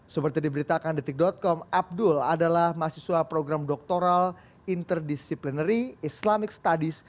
seperti diberitakan detik com abdul adalah mahasiswa program doktoral interdisciplinary islamic studies